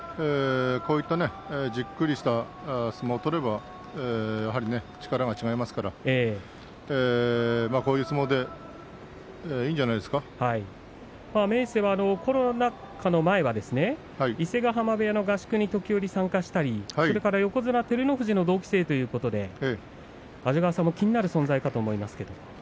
こういった、じっくりした相撲を取ればやはり力が違いますからこういう相撲で明生はコロナ禍の前は伊勢ヶ濱部屋の合宿に時折、参加したりそれから、横綱照ノ富士の同期生ということで安治川さんも気になる存在かと思いますけど。